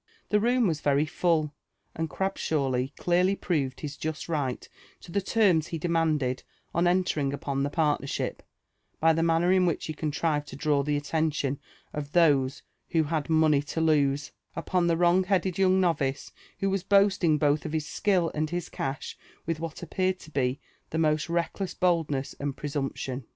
The room was very fdll, and Grabshawly clearly proved his just right to the terms he demanded on entering upon the partnership, by the manner in which he contrived to draw the attention of those who had money to lose*' upon the wrong headed young novice who was boasting both of his skill and his cash with what appeared to be the most reckless boldness and presumption.